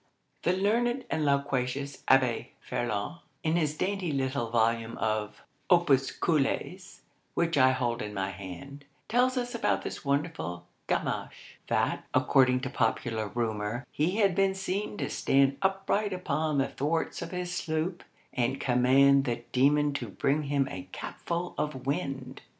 The learned and loquacious Abbé Ferland, in his dainty little volume of "Opuscules," which I hold in my hand, tells us about this wonderful Gamache, that, according to popular rumour, he had been seen to stand upright upon the thwarts of his sloop, and command the demon to bring him a capful of wind.